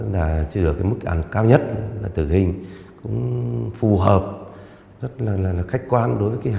là chưa được mức ảnh cao nhất là tự hình